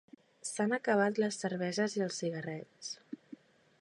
S'han acabat les cerveses i els cigarrets.